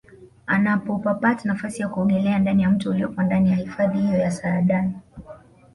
Anapopata nafasi ya kuogelea ndani ya mto uliopo ndani ya hifadhi hiyo ya Saadani